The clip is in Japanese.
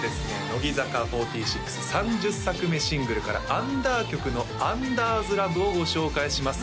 乃木坂４６３０作目シングルからアンダー曲の「Ｕｎｄｅｒ’ｓＬｏｖｅ」をご紹介します